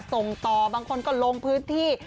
ส่งต่อบางคนก็ลงพื้นที่